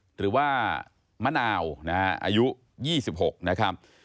หรือว่ามะนาลอายุ๒๖นะครับ